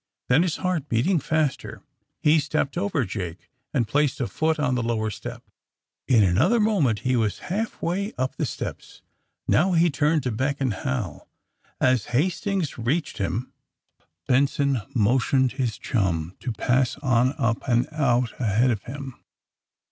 Then .his heart beating fast, he stepped over Jake and placed a foot on the lower step. In another moment he was half way up the steps. Now he turned to beckon Hal. As Hast ings reached him Benson motioned his chum to pass on up and out ahead of him.